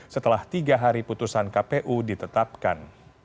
setelah tiga hari putusan kpu ditetapkan